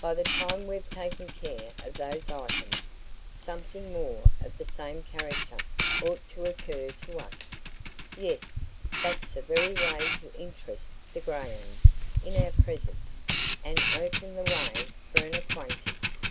"By the time we've taken care of those items something more of the same character ought to occur to us. Yes, that's the very way to interest the Grahams in our presence and open the way for an acquaintance."